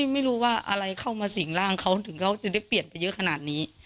ไม่รู้ว่าอะไรเข้ามาสิ่งร่างเขาถึงเขาจะได้เปลี่ยนไปเยอะขนาดนี้